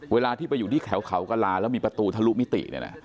เวลาที่ไปอยู่ที่แขววกระลาแล้วมีประตูทะลุมิติ